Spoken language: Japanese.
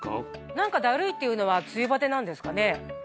何かだるいっていうのは梅雨バテなんですかね？